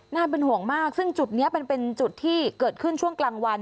เป็นห่วงมากซึ่งจุดนี้มันเป็นจุดที่เกิดขึ้นช่วงกลางวัน